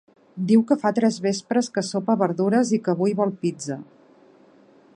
Diu que fa tres vespres que sopa verdures i que avui vol pizza